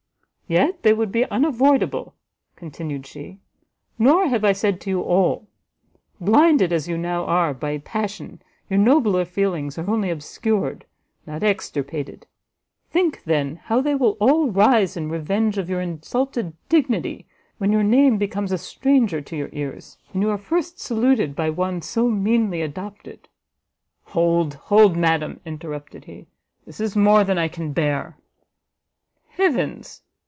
"Yet would they be unavoidable," continued she; "nor have I said to you all; blinded as you now are by passion, your nobler feelings are only obscured, not extirpated; think, then, how they will all rise in revenge of your insulted dignity, when your name becomes a stranger to your ears, and you are first saluted by one so meanly adopted! " "Hold, hold, madam," interrupted he, "this is more than I can bear!" "Heavens!"